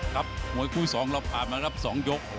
ครับมวยคู่๒รอบ๓รอบ๒ยก